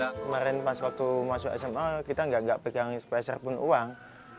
kemarin pas waktu masuk sma kita tidak pegang sepaisa serpun uang